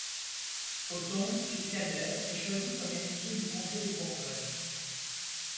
Othon, fils cadet, est choisi comme héritier du comté de Bourgogne.